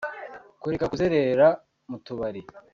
kureka kuzerera mu tubari